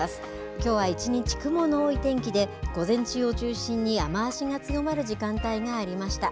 きょうは一日、雲の多い天気で、午前中を中心に雨足が強まる時間帯がありました。